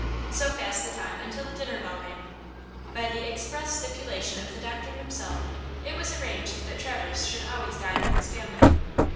So passed the time until the dinner bell rang. By the express stipulation of the doctor himself, it was arranged that Traverse should always dine with his family.